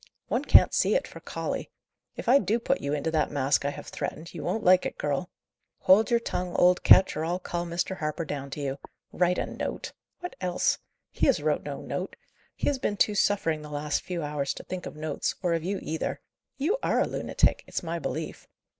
"One can't see it for colly. If I do put you into that mask I have threatened, you won't like it, girl. Hold your tongue, old Ketch, or I'll call Mr. Harper down to you. Write a note! What else? He has wrote no note; he has been too suffering the last few hours to think of notes, or of you either. You are a lunatic, it's my belief."